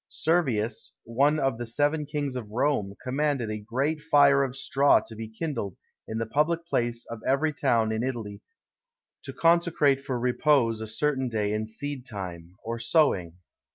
Servius, one of the seven kings of Rome, commanded a great fire of straw to be kindled in the public place of every town in Italy to consecrate for repose a certain day in seed time, or sowing.